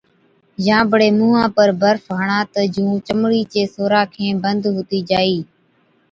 يان بڙي مُونهان پر برف هڻا تہ جُون چمڙِي چين سوراخين بند هُتِي جائِي۔